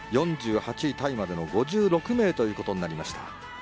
４８位タイまでの５６名となりました。